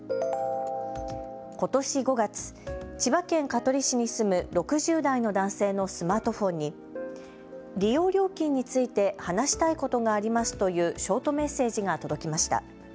ことし５月、千葉県香取市に住む６０代の男性のスマートフォンに利用料金について話したいことがありますというショートメッセージが届きました。